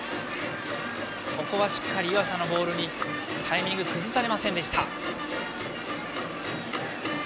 ここはしっかり湯浅のボールにタイミングを崩されませんでした。